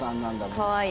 かわいい。